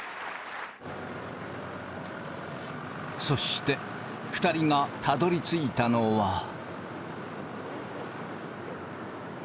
そして２人がたどりついたのは。